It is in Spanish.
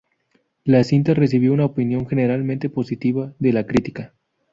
La cinta recibió una opinión generalmente positiva de la crítica.